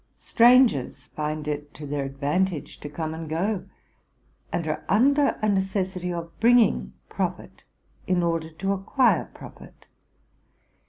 Strangers find it to their advantage to come and go, and are under a necessity of bringing profit in order to acquire profit.